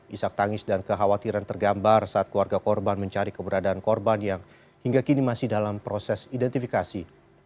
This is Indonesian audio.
isak tangis dan kekhawatiran tergambar saat keluarga korban mencari keberadaan korban yang hingga kini masih dalam proses identifikasi